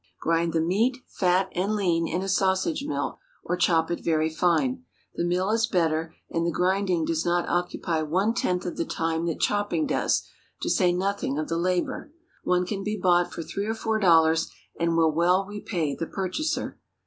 Grind the meat, fat and lean, in a sausage mill, or chop it very fine. The mill is better, and the grinding does not occupy one tenth of the time that chopping does, to say nothing of the labor. One can be bought for three or four dollars, and will well repay the purchaser.